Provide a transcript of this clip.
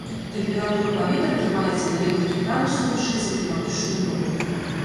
Тэмпература паветра трымаецца на некалькі градусаў вышэй за кліматычную норму.